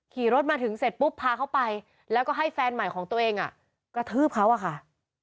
ขี่รถมาถึงเสร็จปุ๊บพาเขาไปแล้วก็ให้แฟนใหม่ของตัวเองกระทืบเขาอะค่ะ